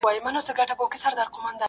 شیطان ګوره چي ایمان په کاڼو ولي,